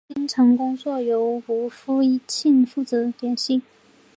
经常工作由吴衍庆负责联系。